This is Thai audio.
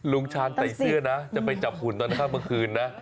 ชาญใส่เสื้อนะจะไปจับหุ่นตอนข้ามเมื่อคืนนะ